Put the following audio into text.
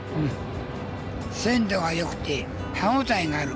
鮮度が良くて歯応えがある。